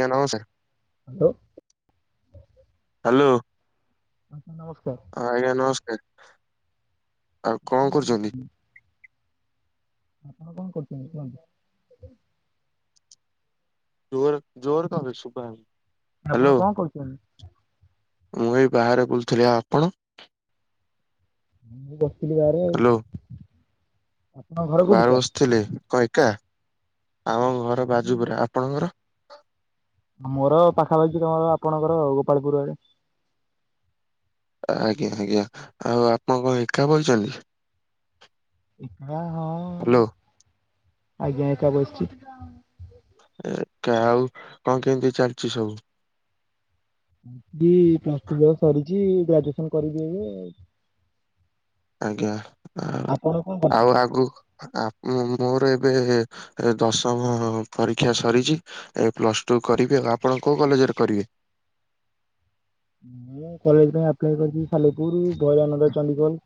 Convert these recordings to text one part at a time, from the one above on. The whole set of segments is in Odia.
ନ ନାମସାର୍ ହେଲୋ ହ୍ୟାଲୋ ଆା ନମସ୍କାର ହଁ ଆଜ୍ଞା ନମସ୍କାର ଆଉ କଣ କରୁଛନ୍ତି? ଆପଣ କଣ କରୁଛନ୍ତି କୁହନ୍ତୁ? ଜୋର ଜୋରରେ କାହା ବେ ଶୁଭା ଯାଉନି। ଆପଣ କଣ କରୁଛନ୍ତି? ମୁଁ ଏଇ ବାହାରେ ବୁଲୁଥିଲି ଆଉ ଆପଣ? ମୁଁ ବସି ଥିଲି ବାହାରେ ହ୍ୟାଲୋ ଆଉ ଆପଣଙ୍କ ଘର କୋଉଠି ବାହାରେ ସାର୍? ବସିଥିଲେ କନ୍ ଏକ ଆମ ଘର ବାଜୁ ପରା ନାଇଁ ଆପଣଙ୍କର? ମୋର ପାଖାପାଖି ତମର ଆପଣଙ୍କର ଗୋପାଳପୁର ଆଡ଼େ ଆଜ୍ଞା ଆଜ୍ଞା ଆଉ ଆପଣ କଣ ଏକା ବଈଛନ୍ତି? ଏ ହଁ ହ୍ୟାଲୋ ଆଜ୍ଞା ଏକା ବସିଛି। ଏକ ଆଉ କଣ କେମିତି ଚାଲିଛି ସବୁ? ପ୍ଲସ୍ ଟୁ ସରିଛି ଗ୍ରାଜୁଏସନ କରିବି ଏବେ। ଆଜ୍ଞା ଆ ଆପଣ କଣ ଆଉ କରୁଛନ୍ତି? ଆଗକୁ? ଆ ମୋର ଏବେ ଦଶମ ପରୀକ୍ଷା ସରିଛି ଏ ପ୍ଲସ ଟୁ କରିବି ଆଉ ଆପଣ କୋଉ କଲେଜରେ କରିବେ? ମୁ କଲେଜ ପାଇଁ ଆପ୍ଲାଏ କରିଛି ସାଲେପୁର ଭରାନନ୍ଦ ଚଣ୍ଡିଗୋଲ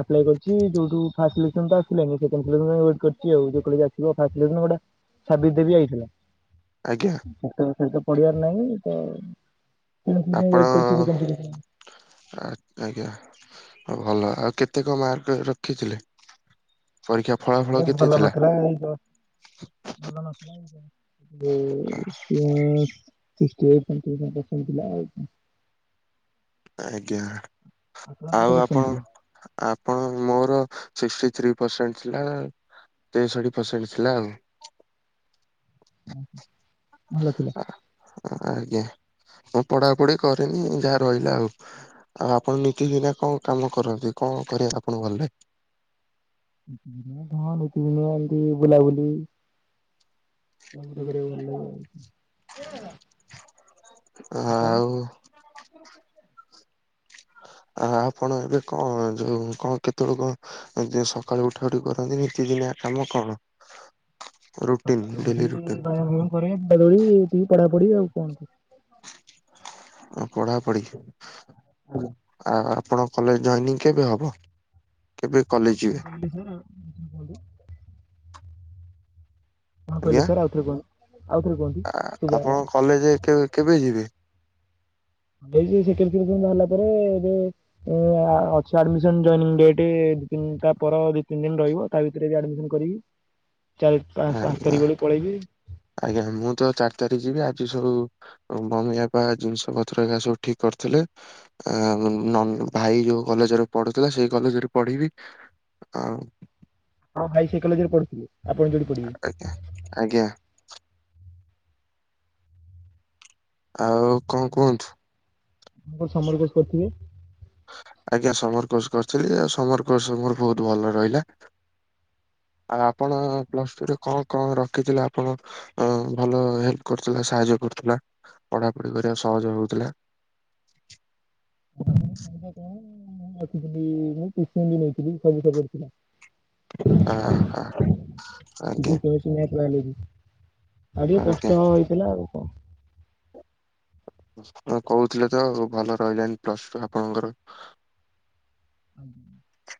ଆପ୍ଲାାଇ କରିଛି ଯଉଠ ଫାଷ୍ଟ ସିଲେକ୍ସନ ତ ଆସିଲାନି ସେକଣ୍ଡ ସିଲେକ୍ସନ କୁ ଏଟ କରି ଆଉ ଆସିବ ଫାଷ୍ଟ ସିଲେକ୍ସନ ଗଟା ସାବି ଦେବୀ ଆଇଥିଲା। ଆଜ୍ଞା ସେ ତ ସେ ତ ପଢିବାର ନାହିଁ ସିରିଜ୍ ପାଇଁ ଆପଣ ୱେଟ୍ କରିଛି ସେକେଣ୍ଡ ସିରିଜ୍ ଆଜ୍ଞା। ହ ଭଲ ଆଉ କେତେ କଣ ମାର୍କ ରଖିଥିଲେ? ପରୀକ୍ଷା ଫଳାଫଳ କେତେ ଭଲ ଥିଲା? ନଥିଲା ଏମିତି ଆଉ ଭଲ ନ ଥିଲା ଯଉ ତିନିଶ୍ ସିକ୍ସେଇଟ [unintelligible] ଆଜ୍ଞା ଆପଣଙ୍କ ଆଉ କେତେ ପସନ୍ଦ ଆପଣ? ଥିଲା ଆପଣ ମୋର ସିକ୍ଟିଥ୍ରୀ ପରସେଣ୍ଟ ଥିଲା। ତେ ସାଥୀ ପର୍ସେଣ୍ଟ ଥିଲା ଆଉ ଉଁ ହୁଁ ଭଲ ଅଛି। ଆଜ୍ଞା ମୁଁ ପଢାପଢି କରିନି ଯାହା ରହିଲା ଆଉ। ଆଉ ଆପଣ ନିତି ଦିନିଆ କଣ କାମ କରନ୍ତି କଣ କରିବା ଆପଣଙ୍କୁ ଭଲ ଲାଗେ। ନିତିଦିନିଆ ହଁ ନିତିଦିନିଆ ଏମତି ବୁଲାବୁଲି। ମାଣ୍ଡୁ କରିବାକୁ ଭଲ ଲାଗେ। ଆପଣ ଆଉ। ଆ ଆପଣ ଏବେ କଣ ଯୋଉ କଣ କେତେଳ କ। ଯେ ସକାଳୁ ଉଠା ଉଠି କରନ୍ତି ନିତିଦିନିଆ କାମ କଣ। ରୁଟିନ୍ ସକାଳୁ ଡେଲି ଉଠି ରୁଟିନ୍ ବାୟାମ୍ ଫାୟାମ୍ କରେ ଦୈଡା ଦୈଡି ପଢାପଢି ଆଉ କଣ। ପଢାପଢ଼ି ଓହୋ। ଆପଣ କଲେଜ ଜଏନିଂ କେବେ ହବ କେବେ କଲେଜ ଯିବେ। ହୁଁ ଆଜି ଠାରୁ। କଣ କହିଲେ ସାର୍ ଆଉ ଥରେ କୁହନ୍ତୁ ଆଉ ଥରେ କୁହନ୍ତୁ। ଆ ଶୁଭା ଆପଣ ଗଲାନି କଲେଜ କେବେ ଯିବେ‌। ଏ ସେ ସେକେଣ୍ଡ ସିଲେକ୍ସନ୍ ବାହାରିଲା ପରେ ଏବେ। ଅଛି ଆଡ଼ମିଶନ ଜୈନିଂ ଡେଟ୍ ଦି ତିନ ତା ପର ଦି ତିନି ଦିନ ରହିବ ତା ଭିତରେ ଆଡ଼ମିଶନ କରିବି। ଚାରି ପାଞ୍ଚ ପାଞ୍ଚ ଆଜ୍ଞା ତାରିଖ ବେଳକୁ ପଳେଇବି। ଆଜ୍ଞା ମୁଁ ତ ଚାରି ତାରିଖ ଯିବି ଆଜି ସବୁ। ମମି ବାପା ଜିନିଷ ପତ୍ର ଏକା ସବୁ ଠିକ କରିଥିଲେ। ଆଉ ନ ଭାଇ ଯୋଉ କଲେଜରେ ପଢୁଥିଲା ସେଇ କଲେଜରେ ପଢିବି। ଆଉ। ହଁ ଭାଇ ସେଇ କଲେଜରେ ପଢୁଥିଲେ ଆପଣ ଯୋଉଠି। ଆଜ୍ଞା ଆଜ୍ଞା। ଆଉ କଣ କୁହନ୍ତୁ଼। କୋଉଠି ସମର କୋର୍ସ କରିଥିବେ। ଆଜ୍ଞା ସମର କୋର୍ସ କରିଥିଲି ସମର କୋର୍ସ ମୋର ବହୁତ ଭଲ ରହିଲା। ଆଉ ଆପଣ ପ୍ଲସ ଟୁରେ କଣ। କଣ ରଖିଥିଲେ ଆପଣ ଭଲ ହେଲ୍ପ କରୁଥିଲା ସାହାଯ୍ୟ କରୁଥିଲା। ପଢ଼ାପଢି କରିବାକୁ ସହଜ ହଉଥିଲା। [unintelligible] ଆ ହା ଫିଜିକ୍ସ ଆଜ୍ଞା। ଆଉ କେମିଷ୍ଟ୍ରି ଟିକେ ଆଜ୍ଞା କଷ୍ଟ ହେଇଥିଲା ଆଉ କଣ। ହଁ କହୁଥିଲେ ତ ଆଉ ଭଲ ରହିଲାନି ପ୍ଲସ୍ ଟୁ ଆପଣଙ୍କର। [inaudible]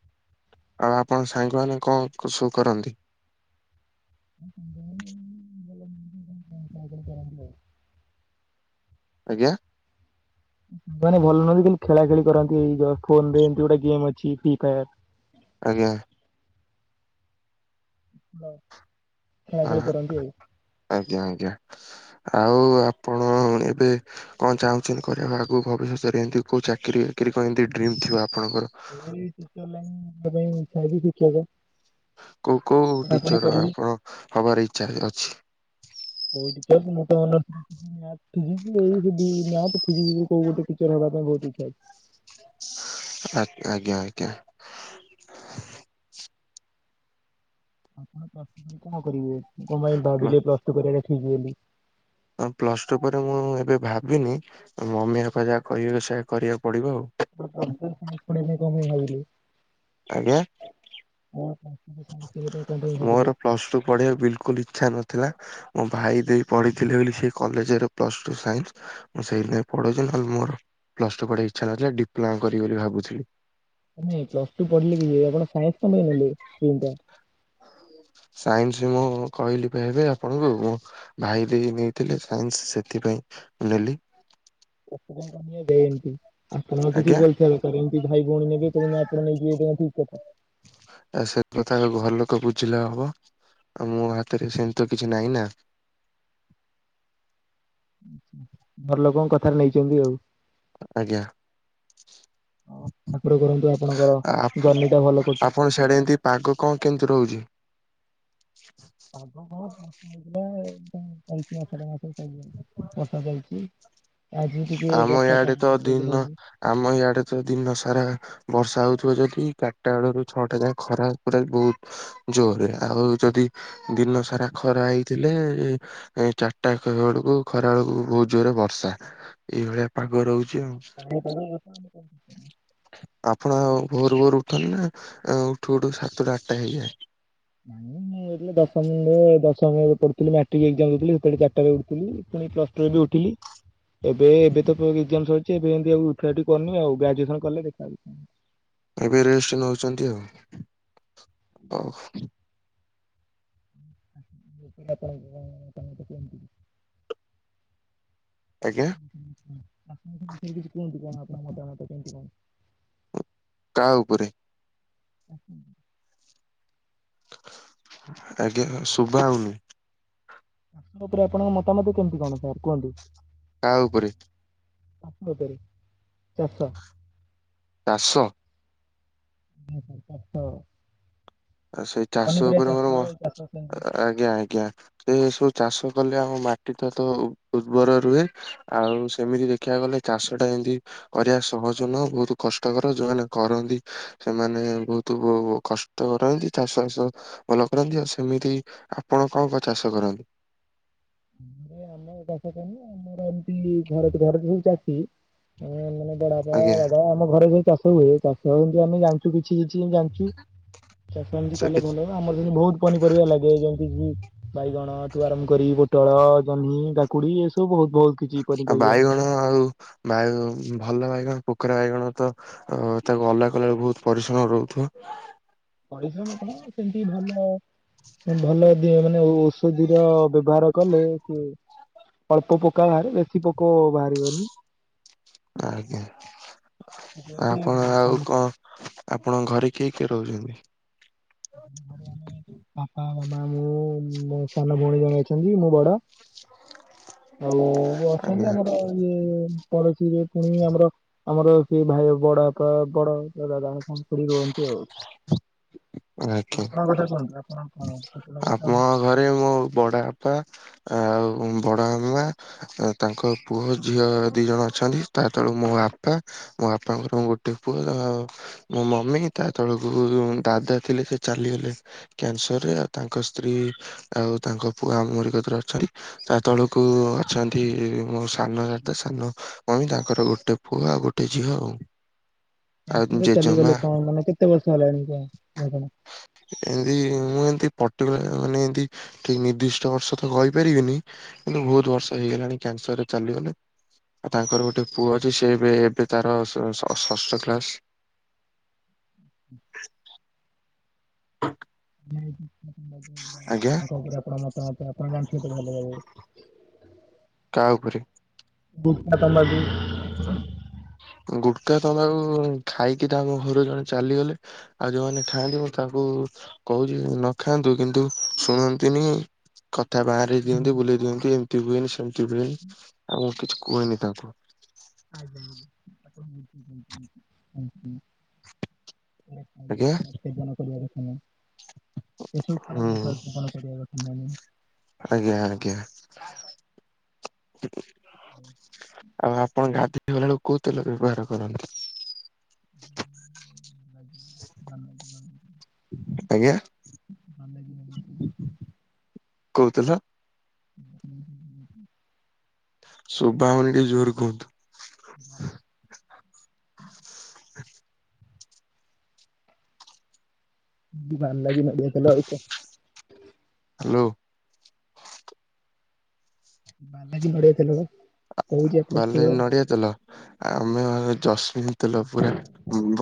ଆଉ ଆପଣଙ୍କ ସାଙ୍ଗମାନେ କଣ ସବୁ କରନ୍ତି। ମୋ ସାଙ୍ଗମାନେ ଭଲ ଆଜ୍ଞା଼ ସାଙ୍ଗମାନେ ଭଲ ନୁହନ୍ତି କିନ୍ତୁ ଖେଳା ଖେଳି କରନ୍ତି ଏଇ ଫୋନ ରେ ଏମିତି ଗୋଟେ ଗେ ଅଛି ଫ୍ରି ଫାୟାର। ଆଜ୍ଞା। ହ ଖେଳା ଖେଳି ଆ- କରନ୍ତି ଆଉ। ଆଜ୍ଞା ଆଜ୍ଞା ଆଉ ଆପଣ ଏବେ। କଣ ଚାହୁଁଛନ୍ତି କରିବାକୁ ଆଗକୁ ଭବିଷ୍ୟତରେ ଏମିତି କୋଉ ଚାକିରି ବାକିରି କି ଏମିତି ଡ୍ରିମ୍ ଥିବ ଆପଣଙ୍କର। ମୋର ଏଇ ଟିଚର୍ ଲାଇନ୍ ଯିବା ପାଇଁ ଇଚ୍ଛା ଅଛି ଶିକ୍ଷକ। କୋଉ କୋଉ ପଢାପଢି ଟିଚର୍ କରିବି ଆପଣ ହବାରେ ଇଚ୍ଛା ଅଛି। କୋଉ ଟିଚର୍ ମତେ ଭଲ। ମ୍ୟାଥ୍ ଫିଜିକ୍ସ୍ ଏଇ ଯଦି ମ୍ୟାଥ୍ ଫିଜିକ୍ସ୍ କୋଉ ଗୋଟେଚର ହବା ପାଇଁ ବହୁତ ଇଚ୍ଛା ଅଛି। ଆ ଆଜ୍ଞା ଆଜ୍ଞା। ଆପଣ ପ୍ଲସ ଟୁ କରି କଣ କରିବେ କଣ ପାଇଁ ଭାବିଲେ ପ୍ଲସ ଟୁ କରିବା ଟା ଠିକ୍ ବୋଲି। ପ୍ଲସ ଟୁ ପରେ ମୁଁ ଏବେ ଭାବିନି ମମି ବାପା ଯାହା କହିବେ ସେୟା କରିବାକୁ ପଡିବ ଆଉ। ଆପଣ ପ୍ଲସ୍ ଟୁ ସାଇନ୍ସ୍ ପଢ଼ିବା ପାଇଁ କଣ ପାଇଁ ଭାବିଲେ। ଆଜ୍ଞା। ହଁ [unintelligible] ପଢି଼ବାକୁ ବିଲକୁଲ୍ ଇଚ୍ଛା ନଥିଲା। ମୋ ଭାଇ ଦେଇ ପଢ଼ିଥିଲେ ବୋଲି ସେ କଲେଜ୍ ରେ ପ୍ଲସ୍ ଟୁ ସାଇନ୍ସି ମୁଁ ସେଇଥିପାଇଁ ପଢୁଛି ନହଲେ ମୋର ପ୍ଲସ ଟୁ ପଢ଼ିବାକୁ ଇଚ୍ଛା ନଥିଲା ଡିପ୍ଲୋମା କରିବି ବୋଲି ଭାବୁଥିଲି। ନାଇଁ ପ୍ଲସ ଟୁ ପଢ଼ିଲେ କିଛି ନାହିଁ ଆପଣ ସାଇନ୍ସି [unintelligible] ସାଇନ୍ସି ମୁଁ କହିଲି ପା ଏବେ ଆପଣଙ୍କୁ ମୁଁ ଭାଇ ଦେଈ ନେଇଥିଲେ ସାଇନ୍ସି ସେଥିପାଇଁ ନେଲି। [unintelligible] ଆପଣ ଆଉ କିଛି ଆଜ୍ଞା [unintelligible] ଏମିତି ଭାଇ ଭଉଣୀ ନେବେ କଣ ଆପଣ ନେଇଯିବେ ଠିକ୍ କଥା? ଆ ସେ କଥା ଘର ଲୋକ ବୁଝିଲେ ହବ। ଆଉ ମୋ ହାତରେ ସେମିତି ତ କିଛି ନାହିଁ ନା। ଘର ଲୋକଙ୍କ କଥାରେ ନେଇଛନ୍ତି ଆଉ। ଆଜ୍ଞା। ଠାକୁର କରନ୍ତୁ ଆପଣଙ୍କର ଆ ଜର୍ନି ଟା ଭଲ କଟୁ। ଆପଣ ସିଆଡେ [unintelligible] ପାଗ କଣ କେମିତି ରହୁଛି? ପାଗ [unintelligible] ଶ୍ରାବଣ ମାସ ବର୍ଷା ଚାଲିଛି। ଆଜି ଟିକେ ଆମ ବର୍ଷା ଇଆଡ଼େ କମ ତ ଅଛି ଆଜି ଦିନ ହଉନି। ଆମ ଇଆଡ଼େ ତ ଦିନ ସାରା ବର୍ଷା ହଉଥିବ ଯଦି ଚାରିଟା ବେଳୁ ଛଅଟା ଯାଏଁ ଖରା ପୁରା ବହୁତ୍ ଜୋରେ ଆଉ ଯଦି ଦିନ ସାରା ଖରା ହେଇଥିଲେ ଏଇ ଚାରିଟା [unintelligible] ଖରା ବେଳକୁ ବହୁତ୍ ଜୋରରେ ବର୍ଷା ଏଇଭଳିଆ ପାଗ ରହୁଛି ଆଉ। [unintelligible] ଆପଣ ଆଉ ଭୋରୁ ଭୋରୁ ଉଠନ୍ତି ନା ଉଠୁ ଉଠୁ ସାତଟା ଆଠଟା ହେଇଯାଏ। ନାଇଁ ମୁଁ ଦଶମ ଦଶମ ପଢି଼ଥିଲି ମାଟ୍ରିକ ଏକ୍ଜାମ୍ ଦଉଥିଲି ସେତେବେଳେ ଚାରିଟା ରେ ଉଠୁଥିଲି। ପୁଣି ପ୍ଲସ ଟୁ ରେ ବି ଉଠିଲି ଏବେ ଏବେ ତ ଏକଜାମ୍ ସରି ଏବେ ଏମିତି ଆଉ ଉଠାଉଠି କରୁନି ଆଉ ଗ୍ରାଜୁଏସନ୍ କଲେ ଦେଖା ଏବେରେଷ୍ଟ୍ ନଉଛନ୍ତି ଆଉ। [unintelligible] ଆଜ୍ଞା ଆପଣରେ କିଛି କୁହନ୍ତୁ କଣ ଆପଣ ମତାମତ କେମିତି କଣ? କାହା ଉପରେ [unintelligible] ଆଜ୍ଞା ଶୁଭା ହଉନି। ଚାଷ ଉପରେ ଆପଣଙ୍କ ମତାମତ କେମିତି କଣ ସାର୍ କୁହନ୍ତୁ। କାହା ଉପରେ। [unintelligible] ଚାଷ ଚାଷ। ଚାଷ। ଆ ସେଇ ଚାଷ ପନିପରିବା ଉପରେ ମୋର ଏଇ ଚାଷ ସେମିତି ଆଜ୍ଞା ଆଜ୍ଞା। ସେ ସବୁ ଚାଷ କଲେ ଆମ ମାଟି ଟା ତ ଉର୍ବର ରୁହେ। ଆଉ ସେମିତି ଦେଖିବାକୁ ଗଲେ ଚାଷ ଟା ଏମିତି କରିବା ସହଜ ନୁହଁ ବହୁତ୍ କଷ୍ଟକର ଯୋଉମାନେ କରନ୍ତି ସେମାନେ ବହୁତ୍ କଷ୍ଟ କରନ୍ତି ଚାଷ ବାସ ଭଲ କରନ୍ତି ଆଉ ସେମିତି ଆପଣ କଣ କଣ ଚାଷ କରନ୍ତି? ଆମ [unintelligible] ଆମର ଏମତି ଘରେ [unintelligible] ସବୁ ଚାଷୀ ଆମେ ମାନେ ବଡ଼ବାବା ଆଜ୍ଞା ବାବା ଆମ ଘରେ ଯୋଉ ଚାଷ ହୁଏ ଚାଷ ଏମିତି ଆମେ ଜାଣିଛୁ କିଛି କିଛି ଜାଣିଛୁ। ଚାଷ ଏମତି ସେ କଲେ କିଛି ଭଲ ନା ଆମର ସେମିତି ବହୁତ୍ ପନିରିବା ଲାଗେ ଯେମିତିକି ବାଇଗଣ ଠୁ ଆରମ୍ଭ କରି ପୋଟଳ, ଜହ୍ନି, କାକୁଡ଼ି ଏସବୁ ବହୁତ୍ ଆଉ ବାଇଗଣ ଆଉ ବାଇ ଭଲ ବାଇଗଣ ପୋକରା ବାଇଗଣ ତ ଅ ତାକୁ ଅଲଗା କଲାବେଳକୁ ବହୁତ୍ ପରିଶ୍ରମ ରହୁଥିବ। ପରିଶ୍ରମ କଣ ସେମିତି ଭଲ ଭଲ ଦେ ମାନେ ଔଷଧିର ବ୍ୟବହାର କଲେ ସି। ଅଳ୍ପ ପୋକା ବାହାରେ ବେଶୀ ପୋକ ବାହାରିବନି। ଆଜ୍ଞା ଆପଣ ଆଉ କଣ ଆପଣ ଘରେ କିଏ କିଏ ରହୁଛନ୍ତି? ଖାଲି ଆମେ ବାପା ମାମା ମୁଁ ମୋ ସାନ ଭଉଣୀ ଜଣେ ଅଛନ୍ତି ମୁଁ ବଡ। ଆଉ ଅଛନ୍ତି ଆଜ୍ଞା ଆମର ଇଏ ପଡୋଶୀରେ ପୁଣି ଆମର ଆମର ସିଏ ଭାଇର ବଡ ବାପା ବଡ ଦାଦାଙ୍କ କଣ ଖୁଡି ରୁହନ୍ତି ଆଉ। ଆଜ୍ଞା ଆପଣଙ୍କ କଥା କୁହନ୍ତୁ ଆପଣ କଣ କେତେବେଳେ କଣ ଆପଣ ଘରେ ମୋ ବଡ ଆପା ଆଉ ବଡ ଆମା ତାଙ୍କ ପୁଅ ଝିଅ ଦି ଜଣ ଅଛନ୍ତି ତା ତଳୁକୁ ମୋ ବାପା ମଁ ବାପାଙ୍କର ଗୋଟେ ପୁଅ ମୋ ମମି ତା ତଳକୁ ଦାଦା ଥିଲେ ସେ ଚାଲିଗଲେ। କ୍ୟାନସର ରେ ଆଉ ତାଙ୍କ ସ୍ତ୍ରୀ ଆଉ ତାଙ୍କ ପୁଅ ଅମେରିିକତିରେ ଅଛନ୍ତି। ତା ତଳକୁ ଅଛନ୍ତି ମୋ ସାନ ଦାଦା ସାନ ମମି ତାଙ୍କର ଗୋଟେ ପୁଅ ଆଉ ଗୋଟେ ଝିଅ ଆଉ। ଆଉ କ୍ୟାସରରେ ଚାଲିଗଲେ ଜେଜେମା କଣ ମାନେ କେତେ ବର୍ଷ ହେଲାଣି କ ମରଣ? ଏମିତି ମୁଁ ଏମିତି ପଟିକୁଲର୍ ମାନେ ଏମିତି ଠିକ ନିର୍ଦ୍ଦିଷ୍ଟ ବର୍ଷ ତ କହିପାରିବିନି କିନ୍ତୁ ବହୁତ ବର୍ଷ ହେଇଗଲାଣି କ୍ୟାନସରରେ ଚାଲିଗଲେ। ଆଉ ତାଙ୍କର ଗୋଟେ ପୁଅ ଅଛି ସେ ଏବେ ଏବେ ତାର ଷଷ୍ଠ କ୍ଲାସ। ? ତାଙ୍କ ଉପରେ ପ୍ରମଶନ ଆପଣ ଜାଣିଥିବେ ତ ଭଲଭାବେରେ? କାହା ଉପରେ? ଗୁଟକାଟା ତମାଗୁ ଗୁଟୁକା ତମାକୁ ଖାଇକି ତାଙ୍କ ଘରୁ ଜଣେ ଚାଲିଗଲେ। ଆଉ ଯୋଉମାନେ ଖାଆନ୍ତି ମୁଁ ତାଙ୍କୁ କହୁଛି ନଖାଆନ୍ତୁ କିନ୍ତୁ ଶୁଣନ୍ତିନି। କଥା ବାଆଁରେଇ ଦିଅନ୍ତି ବୁଲେଇ ଦିଅନ୍ତି ଏମିତି ହୁଏନି ସେମିତି ହୁଏନି ଆଉ ମୁଁ କିଛି କୁହେନି ତାଙ୍କୁ। ଆଜ୍ଞା ଆଜ୍ଞା ତାଙ୍କୁ ବୁଝାଇ ଦିଅନ୍ତି ଆଜ୍ଞା ସେଗୁଡା ସେବନ କରିବା କଥାନୁହେଁ। ଏସବୁ ଖରା ହୁଁ ଦିନିଶ ସେବନ କରିବା କଥା ନୁହେଁ। ଆଜ୍ଞା ଆଜ୍ଞା। ଆଉ ଆପଣ ଗାଧୋଇ ଗଲା ବେଳକୁ କୋଉ ତେଲ ବ୍ୟବହାର କରନ୍ତି? [unintelligible] ଆଜ୍ଞା କୋଉ ତେଲ? ହୁଁ ହୁଁ ହୁଁ। ଶୁଭା ହଉନି ଟିକେ ଜୋର କୁହନ୍ତୁ? ହୁଁ। ବାଲାଜୀ ନଡିଆ ତେଲ ଆଉକଣ। ହାଲୋ। ବାଲାଜୀ ନଡ଼ିଆ ତେଲ ବା। ଆ କହୁଛି ଏଥର ସବୁ ବାଲାଜୀ ଆଉ। ନଡିଆ ତେଲ। ଆମେ ଯସ୍ମିନ ତେଲ ପୁରା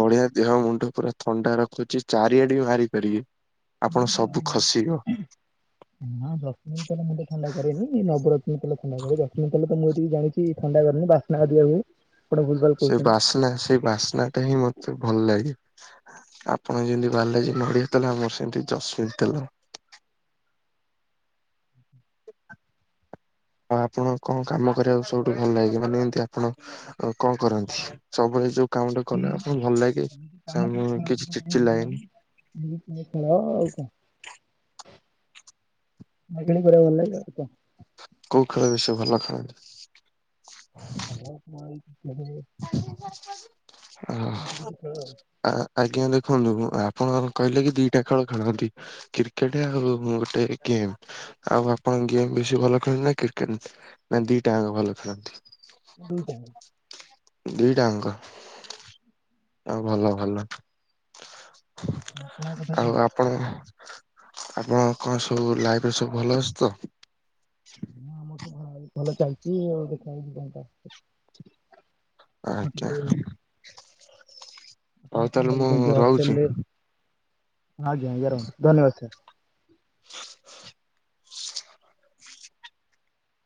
ବଢିଆ ଦେହ ମୁଣ୍ଡ ପୁରା ଥଣ୍ଡା ରଖୁଛି ଚାରିଆଡେ ବି ମାରିପାରିବେ ଆପଣ ସବୁ ଖସିବ। ନା ଜସ୍ମିନ ତେଲମୁଣ୍ଡ ଥଣ୍ଡା କରେନି ନବରତ୍ନ ତେଲ ଥଣ୍ଡାକରେ ଯସ୍ମିନ୍ ତେଲ ତ ମୁଁ ଏତିକି ଜାଣିଛି ଥଣ୍ଡା କରେନି ବାସ୍ନା ନାହା ଜିବା ବେଳେ ବେଳେ। ସେ ବାସ୍ନା ସେ ବାସ୍ନା ଟା ହିଁ ମତେ ଭଲ ଲାଗେ। ଆପଣ ଯେମିତି ବାଲାଜୀ ନଡିଆ ତେଲ ଆମର ସେମତି ଯସ୍ମିନ ତେଲ। ହଁ ଆପଣ କଣ କାମ କରିବାକୁ ସବୁଠୁ ଭଲ ଲାଗେ ମାନେ ଏମିତି ଆପଣ ଆଉ କଣ କରନ୍ତି ସବୁବେଳେ ଯୋଉ କାମ ଟା କଲେ ଆପଣକୁ ଭଲ ଲାଗେ। କାମ ସାର ମୁଁ କରିବାକୁ କିଛି ଭଲ ଚିଚି ଲାଗେ ଲାଇନ। [unintelligible] [unintelligible] କୋଉ ଖେଳ ବେଶୀ ଭଲ ଖେଳନ୍ତି? [unintelligible] ଆଜ୍ଞା ଦେଖନ୍ତୁ ଆପଣ କହିଲେ କି, ଦିଟା ଖେଳ ଖେଳନ୍ତି। କ୍ରିକେଟ ଆଉ ଗୋଟେ ଏ ଗେମ୍। ଆଉ ଆପଣ ଗେମ୍ ବେଶୀ ଭଲ ଖେଳନ୍ତି ନା, କ୍ରିକେଟ ନା ଦିଟା ଯାକ ଭଲ ଖେଳନ୍ତି। ଦିଟାଆଙ୍କ ଦିଟାଆଙ୍କ, ଆଉ ଭଲ ଭଲ। ଆପଣଙ୍କ ଆଉ [unintelligible] ଆପଣ- ଆପଣ କଣ ସବୁ ଲାଇଫରେ ସବୁ ଭଲ ଅଛି ତ? ହଁ ମୁଁ ତ ଭଲ ଚାଲିଛି ଆଉ ଦେଖାଯାଉଛି କଣ ଆଜ୍ଞା ହଉ ତାହେଲେ ମୁଁ ରହୁଛି। [unintelligible] ଆଜ୍ଞା ଆଜ୍ଞା, ରହ ଧନ୍ୟବାଦ ସାର୍। [inaudible]